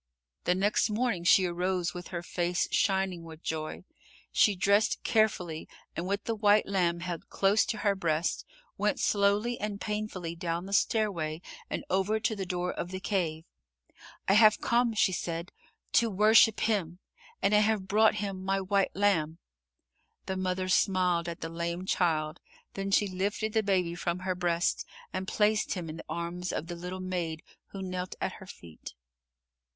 The next morning she arose with her face shining with joy. She dressed carefully and with the white lamb held close to her breast, went slowly and painfully down the stairway and over to the door of the cave. "I have come," she said, "to worship Him, and I have brought Him my white lamb." The mother smiled at the lame child, then she lifted the Baby from her breast and placed Him in the arms of the little maid who knelt at her feet.